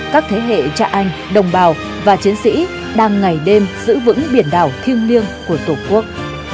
các thế hệ cha anh đồng bào và chiến sĩ đang ngày đêm giữ vững biển đảo thiêng liêng của tổ quốc